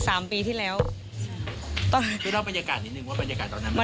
สามปีที่แล้วใช่เล่าบรรยากาศนิดนึงว่าบรรยากาศตอนนั้น